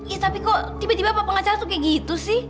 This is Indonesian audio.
eh tapi kok tiba tiba bapak pengacara tuh kayak gitu sih